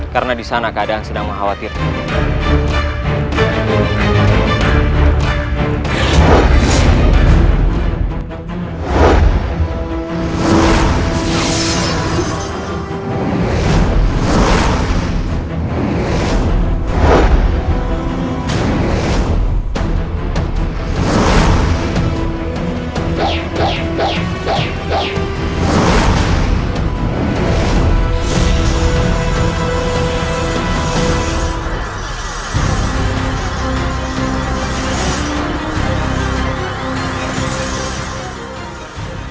karena di sana keadaan sedang mengkhawatirkan